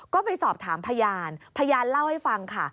ก็ไปสอบถามพยานพยานเล่าให้ฟังค่ะ